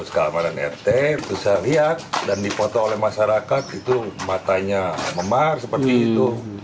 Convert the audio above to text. sekarang ada rt terus saya lihat dan dipotong oleh masyarakat itu matanya memar seperti itu